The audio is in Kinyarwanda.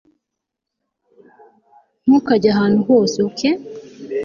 ntukajye ahantu hose, ok